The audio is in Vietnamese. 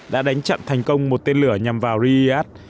đã đánh chặn thành công một tên lửa nhằm vào riyadh